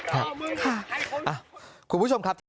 ค่ะค่ะคุณผู้ชมครับ